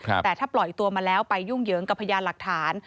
แต่ถ้าปล่อยตัวมาแล้วไปยุ่งเหยิงกับพยานหลักฐาน